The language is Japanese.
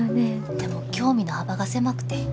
でも興味の幅が狭くて。